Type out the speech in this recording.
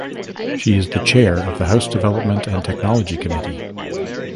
She is the chair of the House Development and Technology committee.